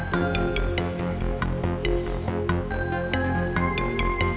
tadi nadiem ada yang ngeroyok